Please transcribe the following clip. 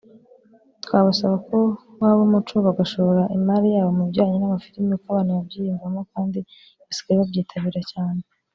Twabasaba ko waba umuco bagashora imari yabo mu bijyanye n’amafilimi kuko abantu babyiyumvamo kandi basigaye babyitabira cyane